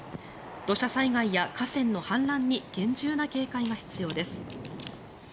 土砂災害や河川の氾濫に厳重な警戒が必要です。